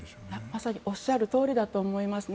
まさにおっしゃるとおりだと思いますね。